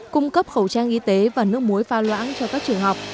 cung cấp khẩu trang y tế và nước muối pha loãng cho các trường học